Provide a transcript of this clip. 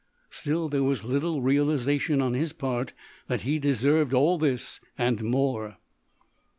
Still, there was little realization, on his part, that he deserved all this, and more.